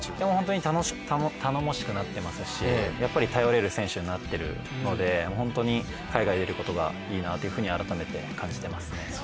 本当に頼もしくなっていますし頼れる選手になっているので本当に海外に出ることがいいなと改めて感じてますね。